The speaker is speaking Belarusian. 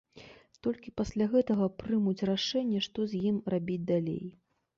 Толькі пасля гэтага прымуць рашэнне, што з ім рабіць далей.